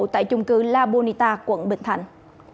tại trung cư la bonita quận bình thạnh